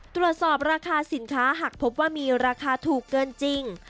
ตรวจสอบราคาสินค้าหากพบว่ามีราคาถูกเกินจริง